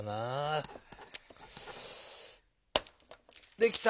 できた！